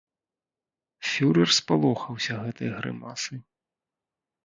Фюрэр спалохаўся гэтай грымасы.